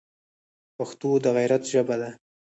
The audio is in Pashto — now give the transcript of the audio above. پښتو د غیرت ژبه ده